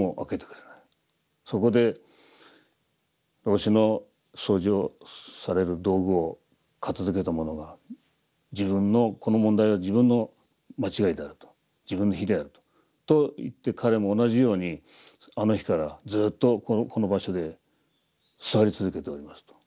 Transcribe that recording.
そこで「老師の掃除をされる道具を片づけた者がこの問題は自分の間違いであると自分の非であると言って彼も同じようにあの日からずっとこの場所で坐り続けております。